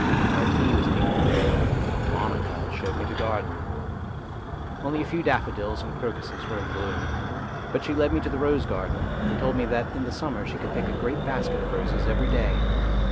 While tea was being prepared Monica showed me the garden. THE GREAT MAN 259 Only a few daffodils and crocuses were in bloom, but she led me to the rose garden, and told me that in the summer she could pick a great basket of roses every day.